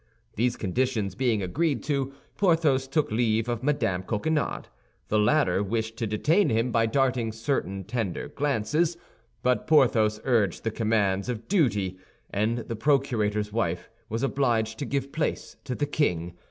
These conditions being agreed to, Porthos took leave of Mme. Coquenard. The latter wished to detain him by darting certain tender glances; but Porthos urged the commands of duty, and the procurator's wife was obliged to give place to the king.